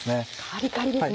カリカリですね。